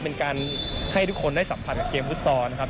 เป็นการให้ทุกคนได้สัมผัสกับเกมฟุตซอลครับ